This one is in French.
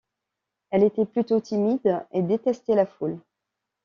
Elle était plutôt timide et détestait la foule.